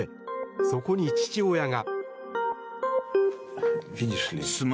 そこに父親が。